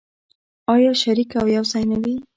آیا شریک او یوځای نه وي؟